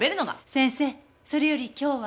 先生それより今日は？